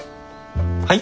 はい？